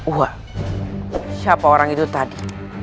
wah siapa orang itu tadi